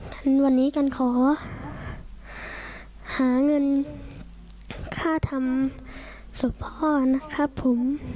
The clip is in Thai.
วันนี้กันขอหาเงินค่าทำศพพ่อนะครับผม